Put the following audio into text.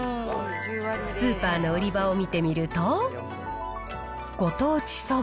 スーパーの売り場を見てみると、ご当地そば、